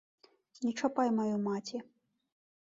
Не чапай маю маці!